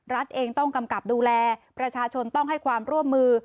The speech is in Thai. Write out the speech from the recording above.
รัฐเองต้องกำกับดูแลประชาชนต้องให้ความร่วมมือ